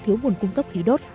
thiếu nguồn cung cấp